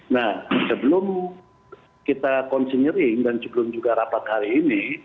nah sebelum kita konsenering dan sebelum juga rapat hari ini